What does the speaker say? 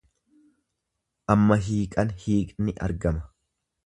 Amma hiiqan hiiqni argama.